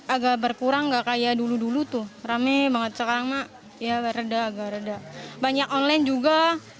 agak berkurang enggak kayak dulu dulu tuh rame banget sekarang mak ya reda agak reda banyak online juga